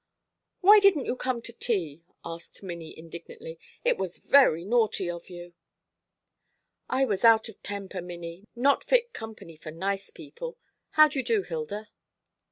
"Why didn't you come to tea?" asked Minnie indignantly. "It was very naughty of you." "I was out of temper, Minnie; not fit company for nice people. How do you do, Hilda?"